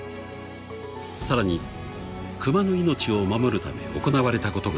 ［さらにクマの命を守るため行われたことがある］